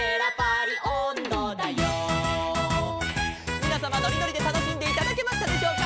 「みなさまのりのりでたのしんでいただけましたでしょうか」